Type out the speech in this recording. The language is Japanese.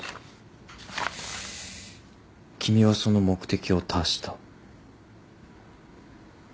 「君はその目的を達した」